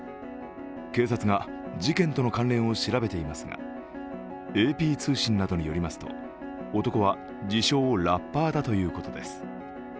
警察が事件との関連を調べていますがＡＰ通信などによりますと男は自称・ラッパーだということです。